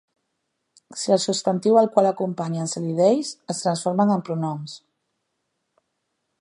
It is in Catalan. Si el substantiu al qual acompanyen s'elideix es transformen en pronoms.